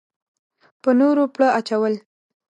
په نورو پړه اچول.